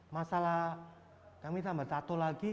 masalah kami tambah tato lagi